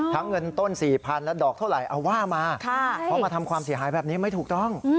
เงินต้น๔๐๐๐และดอกเท่าไหร่เอาว่ามาเพราะมาทำความเสียหายแบบนี้ไม่ถูกต้อง